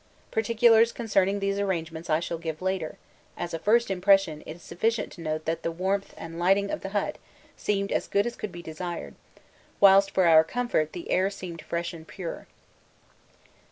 Particulars concerning these arrangements I shall give later; as a first impression it is sufficient to note that the warmth and lighting of the hut seemed as good as could be desired, whilst for our comfort the air seemed fresh and pure.